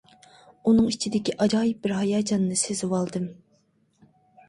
ئۇنىڭ ئىچىدىكى ئاجايىپ بىر ھاياجاننى سېزىۋالدىم.